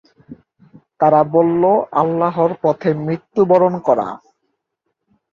তারা বললো, "আল্লাহর পথে মৃত্যুবরণ করা"।